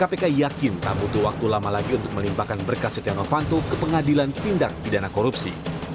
kpk yakin tak butuh waktu lama lagi untuk melimpahkan berkas setia novanto ke pengadilan tindak pidana korupsi